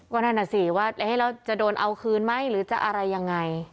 ก็นั่นน่ะสิว่าเราจะโดนเอาคืนไหมหรือจะอะไรยังไง